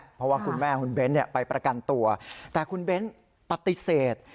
เพราะว่าคุณแม่คุณเบ้นไปประกันตัวแต่คุณเบ้นปฏิเสธ